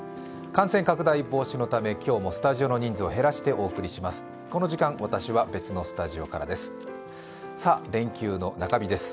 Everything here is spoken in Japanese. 感染拡大防止のため今日もスタジオの人数を減らしてお送りします。